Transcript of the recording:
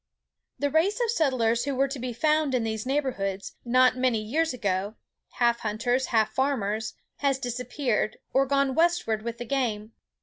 The race of settlers who were to be found in these neighbourhoods not many years ago—half hunters, half farmers—has disappeared, or gone westward with the game.